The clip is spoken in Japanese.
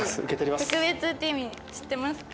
特別って意味知ってますか？